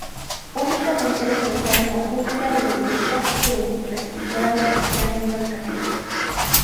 Únicamente sobresale la cúpula de la iglesia que, resistió la destrucción del volcán.